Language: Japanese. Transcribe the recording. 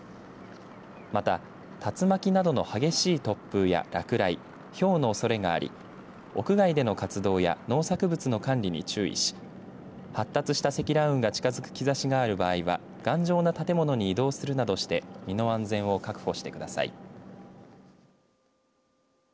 また竜巻などの激しい突風や落雷ひょうのおそれがあり屋外での活動や農作物の管理に注意し発達した積乱雲が近づく兆しがある場合は頑丈な建物に移動するなどして身の安全を確保してください。